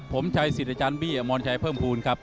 ตรงนี้ก็มีเราสองคนเหมือนเดิมเอกกับชัยหรือว่าเอกกับชัยนะครับ